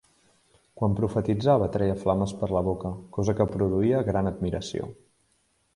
Quan profetitzava treia flames per la boca, cosa que produïa gran admiració.